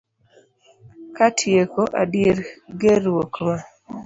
Katieko, adier gerruok ma